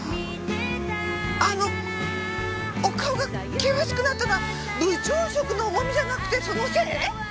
あのお顔が険しくなったのは部長職の重みじゃなくてそのせい？